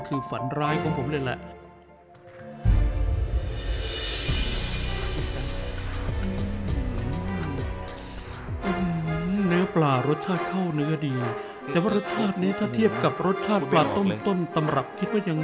คุณทำอาหารเสร็จยัง